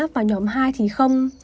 và nhóm hai thì không